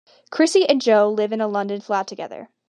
Chrissy and Jo live in a London flat together.